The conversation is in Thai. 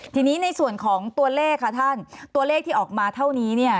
ทีนี้ในส่วนของตัวเลขค่ะท่านตัวเลขที่ออกมาเท่านี้เนี่ย